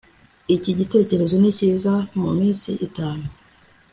iki gitekerezo ni cyiza muminsi itanu